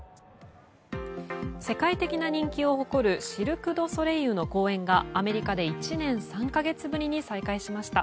世界的な人気を誇るシルク・ドゥ・ソレイユの公演がアメリカで１年３か月ぶりに再開しました。